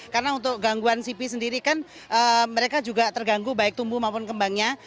karena untuk gangguan sipi sendiri kan mereka juga terganggu baik tumbuh maupun kembangnya